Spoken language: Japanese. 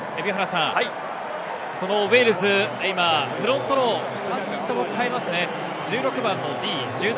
そのウェールズ、今フロントロー、３人とも代えますね。